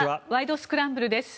スクランブル」です。